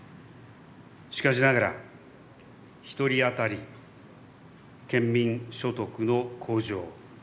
しかしながら一人当たり県民所得の向上